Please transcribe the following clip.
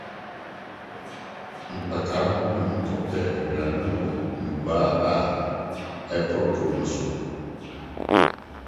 Mpataa no bom kɔpɛ aduan wɔ nnubaa a ɛreporɔw no so.